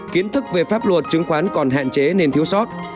kiến thức về pháp luật chứng khoán còn hạn chế nên thiếu sót